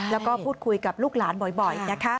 แล้วก็พูดคุยกับลูกหลานบ่อยนะคะ